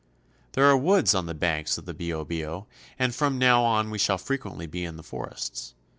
There are woods on the banks of the Biobio, and from now on we shall frequently be in the forests.